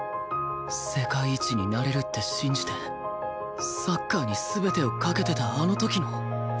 世界一になれるって信じてサッカーに全てを懸けてたあの時の